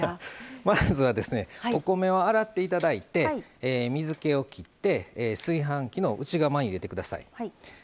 まずはですねお米を洗って頂いて水けをきって炊飯器の内釜に入れて下さい。